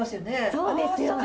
そうですよね。